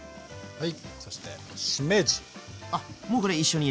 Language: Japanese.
はい。